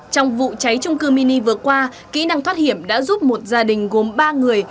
trong vụ cháy trung cư mini vừa qua kỹ năng thoát hiểm đã giúp một gia đình gồm ba người